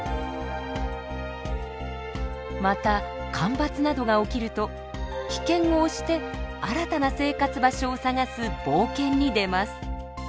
また干ばつなどが起きると危険をおして新たな生活場所を探す冒険に出ます。